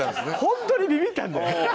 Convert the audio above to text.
ホントにビビったんだよ。